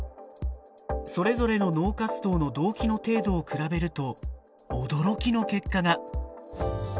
それぞれの脳活動の同期の程度を比べると驚きの結果が。